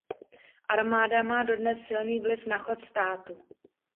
Armáda má dodnes silný vliv na chod státu.